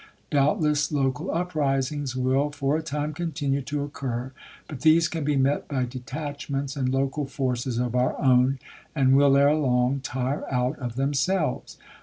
Doubtless local uprisings will for a time continue to occur, but these can be met by detachments and local forces of our own, and will ere long tire out of them selves.